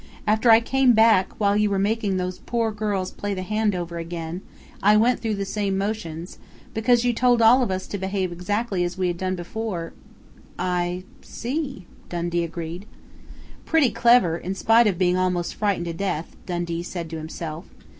"After I came back, while you were making those poor girls play the hand over again, I went through the same motions because you told all of us to behave exactly as we had done before " "I see," Dundee agreed. Pretty clever, in spite of being almost frightened to death, Dundee said to himself.